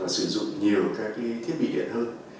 là sử dụng nhiều các thiết bị điện hơn